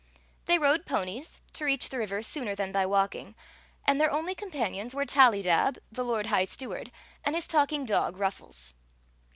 They rode ponies, to reach the river sooner than by walking; and their only companions were Tallydab, the lord high stew ard, and his talking dog, Ruffles.